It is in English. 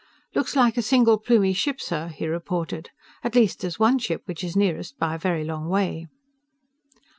"Looks like a single Plumie ship, sir," he reported. "At least there's one ship which is nearest by a very long way."